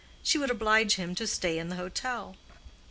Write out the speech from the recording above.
She would oblige him to stay in the hotel.